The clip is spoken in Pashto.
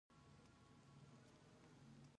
زه ادب او تربیه خوښوم.